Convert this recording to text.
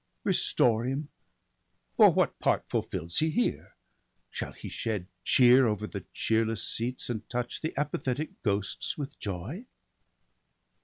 Restore him ! for what part fulfils he here ? Shall he shed cheer over the cheerless seats, And touch the apathetic ghosts with joy